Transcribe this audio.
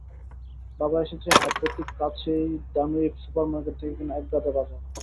বাবা এসেছে, হাতভর্তি কাছেই দানিয়ুব সুপার মার্কেট থেকে কেনা একগাদা বাজার।